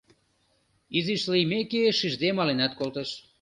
Изиш лиймеке, шижде маленат колтыш.